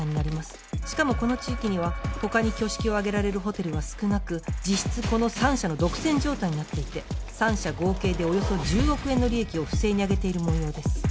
しかもこの地域には他に挙式を挙げられるホテルは少なく実質この３社の独占状態になっていて３社合計でおよそ１０億円の利益を不正にあげているもようです。